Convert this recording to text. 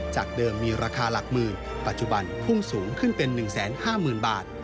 จากเดิมมีราคาหลักหมื่นปัจจุบันพุ่งสูงขึ้นเป็น๑๕๐๐๐บาท